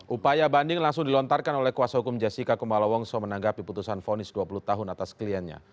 upaya banding langsung dilontarkan oleh kuasa hukum jessica kumala wongso menanggapi putusan fonis dua puluh tahun atas kliennya